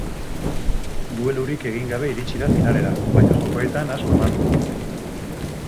Duelurik egin gabe iritsi da finalera, baina jokoetan asko eman du.